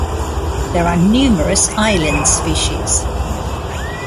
There are numerous island species.